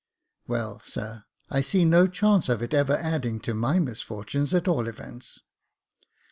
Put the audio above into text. "Well, sir, I see no chance of its ever adding to my misfortunes, at all events."